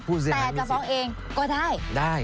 แต่จะฟ้องเองก็ได้ได้